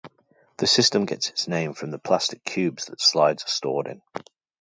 The system gets its name from the plastic cubes that slides are stored in.